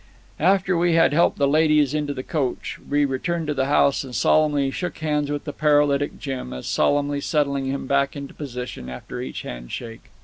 After we had helped the ladies into the coach, we returned to the house and solemnly shook hands with the paralytic Jim, as solemnly settling him back into position after each handshake.